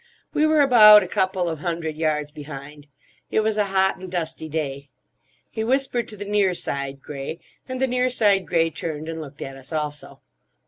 We were about a couple of hundred yards behind; it was a hot and dusty day. He whispered to the near side grey, and the near side grey turned and looked at us also.